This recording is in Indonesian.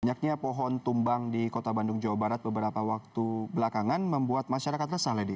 banyaknya pohon tumbang di kota bandung jawa barat beberapa waktu belakangan membuat masyarakat resah lady